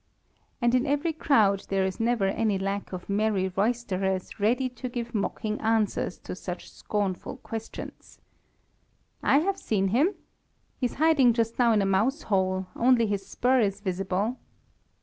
And in every crowd there is never any lack of merry roysterers ready to give mocking answers to such scornful questions. "I have seen him. He is hiding just now in a mouse hole, only his spur is visible."